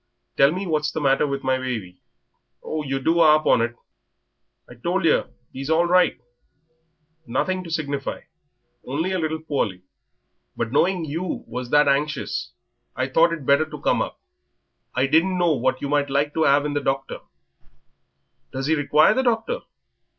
Tell me what's the matter with my baby?" "'Ow yer do 'arp on it! I've told yer that 'e's all right; nothing to signify, only a little poorly, but knowing you was that anxious I thought it better to come up. I didn't know but what you might like to 'ave in the doctor." "Does he require the doctor?